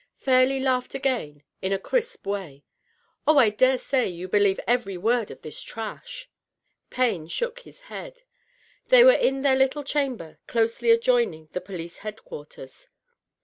Fairleigh laughed again, in a crisp way. "Oh, I dare say you believe every woid of this trash." Payne shook his head. They were in their little chamber closely adjoining the police head quarters.